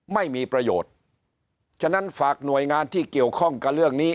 ไม่มีประโยชน์ฉะนั้นฝากหน่วยงานที่เกี่ยวข้องกับเรื่องนี้